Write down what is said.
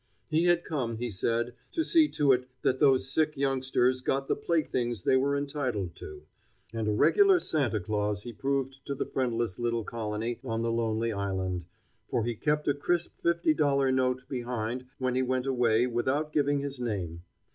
He had come, he said, to see to it that those sick youngsters got the playthings they were entitled to; and a regular Santa Claus he proved to the friendless little colony on the lonely island, for he left a crisp fifty dollar note behind when he went away without giving his name.